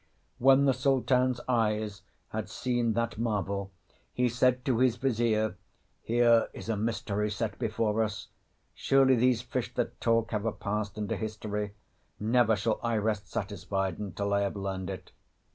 When the Sultan's eyes had seen that marvel, he said to his Vizier, "Here is mystery set before us! Surely these fish that talk have a past and a history. Never shall I rest satisfied until I have learned it."